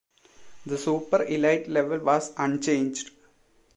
The Super Elite level was unchanged.